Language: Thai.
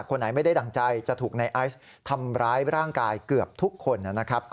คนไหนไม่ได้ดั่งใจจะถูกในไอซ์ทำร้ายร่างกายเกือบทุกคนนะครับ